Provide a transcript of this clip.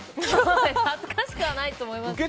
恥ずかしくはないと思いますが。